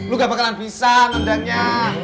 lu gak bakalan bisa nendangnya